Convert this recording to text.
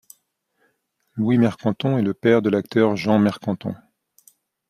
Louis Mercanton est le père de l'acteur Jean Mercanton.